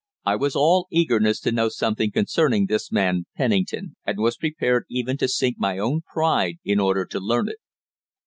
I was all eagerness to know something concerning this man Pennington, and was prepared even to sink my own pride in order to learn it.